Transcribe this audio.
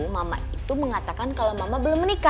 mama itu mengatakan kalo mama ini sudah menikah